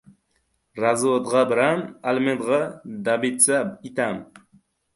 — Razvodg‘a biram! Alimentg‘a dabitsa itam!